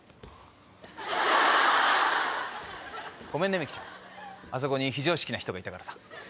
ごめんねミキちゃんあそこに非常識な人がいたからさ。